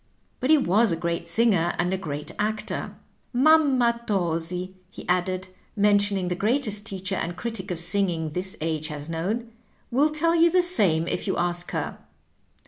But he was a great singer and a great actor. Mamma Tosi/' he added, mentioning the greatest teacher and critic of singing this age has known, ^^ will tell jou the same if you ask her.